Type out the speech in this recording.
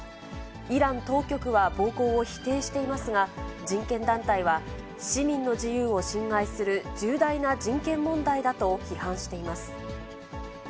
イラン当局は暴行を否定していますが、人権団体は、市民の自由を侵害する重大な人権問題だと批判しています。